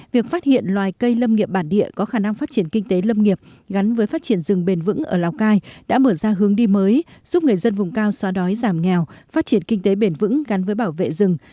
việc phát hiện loài cây lâm nghiệp bản địa có khả năng phát triển kinh tế lâm nghiệp gắn với phát triển rừng bền vững ở lào cai đã mở ra hướng đi mới giúp người dân vùng cao xóa đói giảm nghèo phát triển kinh tế bền vững gắn với bảo vệ rừng